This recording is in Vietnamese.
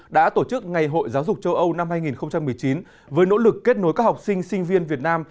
đã tổ chức ngày hội giáo dục châu âu năm hai nghìn một mươi chín với nỗ lực kết nối các học sinh sinh viên việt nam